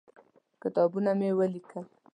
کتابونه مې ولیکل.